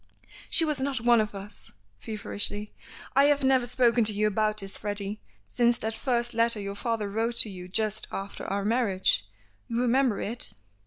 "She was not one of us," feverishly. "I have never spoken to you about this, Freddy, since that first letter your father wrote to you just after our marriage. You remember it?